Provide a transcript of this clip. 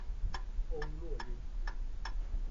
欧络因。